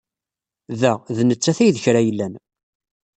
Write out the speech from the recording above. Da, d nettat ay d krayellan.